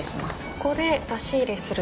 ここで出し入れする。